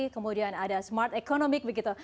kemudian ada smart economic begitu